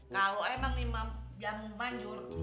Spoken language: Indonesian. kalau memang jamu manjur